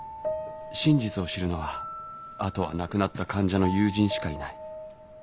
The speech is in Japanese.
真実を知るのはあとは亡くなった患者の友人しかいない。